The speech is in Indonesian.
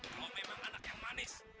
kalau memang anak yang manis